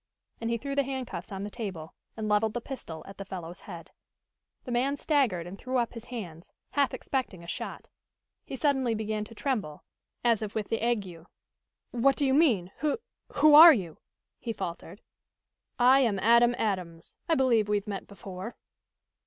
And he threw the handcuffs on the table, and leveled the pistol at the fellow's head. The man staggered and threw up his hands, half expecting a shot. He suddenly began to tremble, as if with the ague. "What do you mean? Wh who are you?" he faltered. "I am Adam Adams. I believe we have met before."